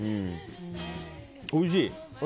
おいしい。